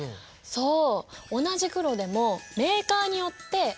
そう。